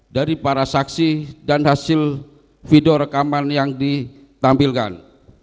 dari para saksi dan hasil video rekaman yang ditampilkan